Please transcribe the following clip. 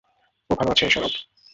ও ভালো আছে, সরব।